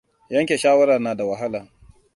Yanke shawarar na da wahala.